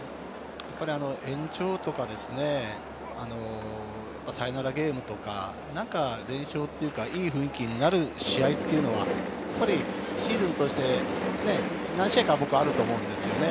延長とかサヨナラゲームとか、いい雰囲気になる試合がシーズン通して何試合かあると思うんですよね。